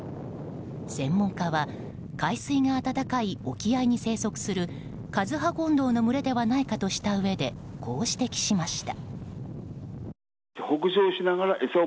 専門家は海水が暖かい沖合に生息するカズハゴンドウの群れではないかとしたうえでこう指摘しました。